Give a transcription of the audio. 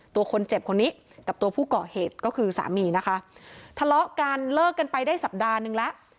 ตัวคนเจ็บคนนี้กับตัวผู้ก่อเหตุก็คือสามีนะคะทะเลาะกันเลิกกันไปได้สัปดาห์นึงแล้ว